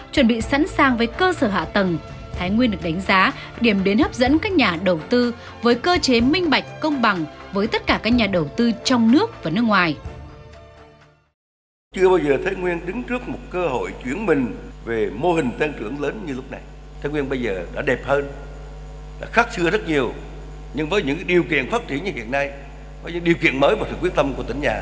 chuẩn bị sẵn sàng với cơ sở hạ tầng thái nguyên được đánh giá điểm đến hấp dẫn các nhà đầu tư với cơ chế minh bạch công bằng với tất cả các nhà đầu tư trong nước và nước ngoài